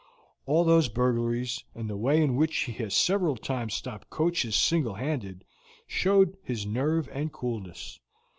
All those burglaries, and the way in which he has several times stopped coaches single handed, show his nerve and coolness.